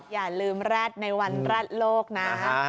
อย่าลืมแร็ดในวันแร็ดโลกนะ